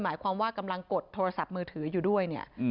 หมายความว่ากำลังกดโทรศัพท์มือถืออยู่ด้วยเนี่ย